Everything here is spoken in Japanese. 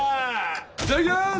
いただきます！